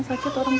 sakit orang tua